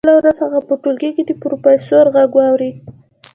بله ورځ هغه په ټولګي کې د پروفیسور غږ واورېد